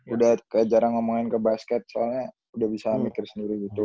udah jarang ngomongin ke basket soalnya udah bisa mikir sendiri gitu